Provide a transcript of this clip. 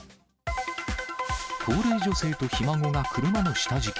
高齢女性とひ孫が車の下敷き。